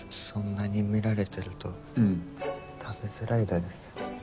そんなに見られてると食べづらいです。